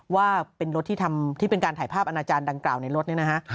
ว่าเป็นรถที่เป็นการถ่ายภาพอนาจารย์ดังกล่าวในรถนี่นะฮะ